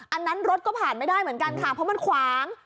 อันนั้นรถก็ผ่านไม่ได้เหมือนกันค่ะเพราะมันขวาง